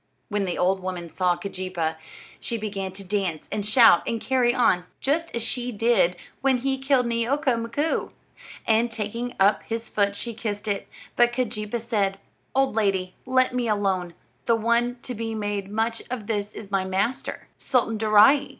When the old woman saw Keejeepaa, she began to dance, and shout, and carry on, just as she did when he killed Neeoka Mkoo, and taking up his foot she kissed it; but Keejeepaa said: "Old lady, let me alone; the one to be made much of is this my master, Sultan Daaraaee.